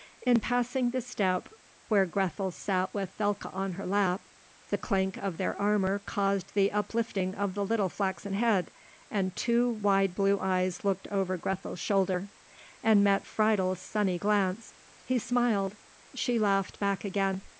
In passing the step where Grethel sat with Thekla on her lap, the clank of their armour caused the uplifting of the little flaxen head, and two wide blue eyes looked over Grethel's shoulder, and met Friedel's sunny glance. He smiled; she laughed back again.